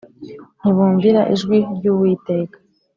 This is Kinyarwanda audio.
Ntibumvira ijwi ry’Uwiteka